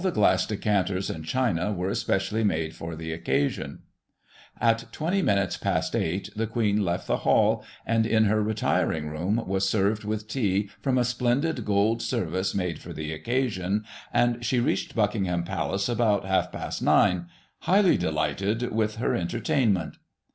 glass decanters and china were specially made for the occasions At 20 minutes past 8, the Queen left the Hall, and in her retiring room was served with tea from a splendid gold service made for the occasion, and she reached Buckingham Palace about half past 9 — highly delighted with her entertainment.